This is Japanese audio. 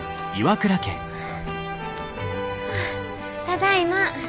ただいま。